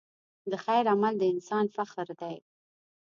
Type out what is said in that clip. د خیر عمل د انسان فخر دی.